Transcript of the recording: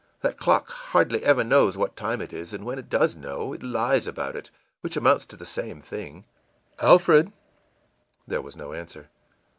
That clock hardly ever knows what time it is; and when it does know, it lies about it which amounts to the same thing. Alfred!î There was no answer.